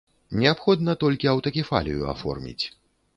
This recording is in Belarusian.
Неабходна толькі аўтакефалію аформіць.